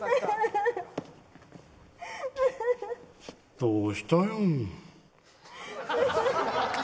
どうしたの。